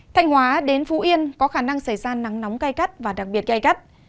thành hóa đến phú yên có khả năng xảy ra nắng nóng cay cắt và đặc biệt cay cắt